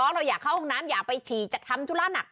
เราอยากเข้าห้องน้ำอย่าไปฉี่จะทำธุระหนัก